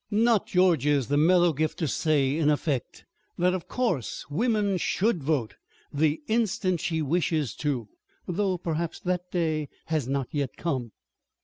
Not George's the mellow gift to say, in effect, that of course woman should vote the instant she wishes to, though perhaps that day has not yet come.